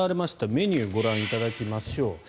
メニューご覧いただきましょう。